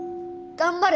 頑張れ！